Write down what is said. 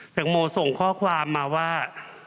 แตงโมส่งข้อความมาว่า